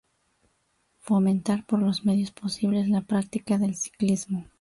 Fomentar por los medios posibles, la practica del Ciclismo.